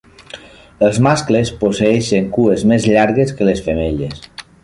Els mascles posseeixen cues més llargues que les femelles.